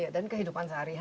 dan kehidupan sehari hari